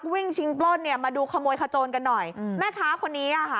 วิ่งชิงปลดเนี่ยมาดูขโมยขจนกันหน่อยมาฆาต์คนนี้อ่ะฮะ